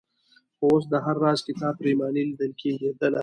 خو اوس د هر راز کتاب پرېماني لیدل کېدله.